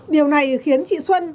điều này khiến chị xuân